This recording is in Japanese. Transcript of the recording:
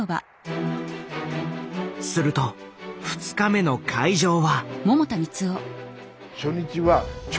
すると２日目の会場は。